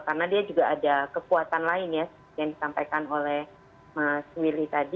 karena dia juga ada kekuatan lain ya yang disampaikan oleh mas willy tadi